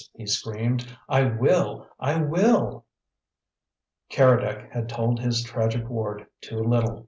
he screamed. "I WILL! I WILL!" Keredec had told his tragic ward too little.